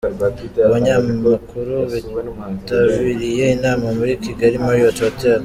Abanyamakuru bitabiriye inama muri Kigali Marriott Hotel